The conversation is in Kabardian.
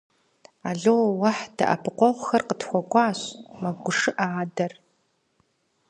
– Ало-уэхь, дэӀэпыкъуэгъухэр къытхуэкӀуащ, – мэгушыӀэ адэр.